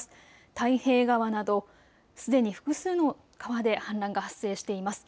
太平川などすでに複数の川で氾濫が発生しています。